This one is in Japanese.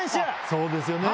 そうですよね。